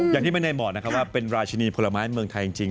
อย่างที่มันใดหมอว่าเป็นราชินีผลไม้เมืองไทยจริง